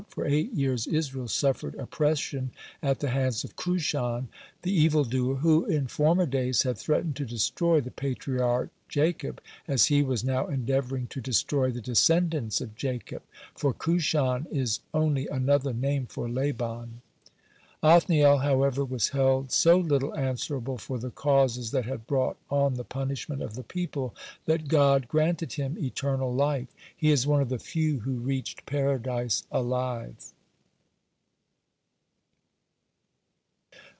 For eight years Israel suffered oppression at the hands of Cushan, the evil doer who in former days had threatened to destroy the patriarch Jacob, as he was now endeavoring to destroy the descendants of Jacob, for Cushan is only another name for Laban. (29) Othniel, however, was held so little answerable for the causes that had brought on the punishment of the people, that God granted him eternal life; he is one of the few who reached Paradise alive.